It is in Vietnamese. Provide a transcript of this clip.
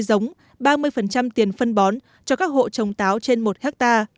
đóng ba mươi tiền phân bón cho các hộ trồng táo trên một ha